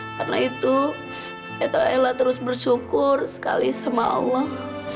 karena itu ella terus bersyukur sekali sama allah